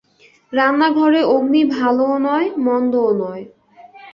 রান্নাঘরের অগ্নি ভালও নয়, মন্দও নয়।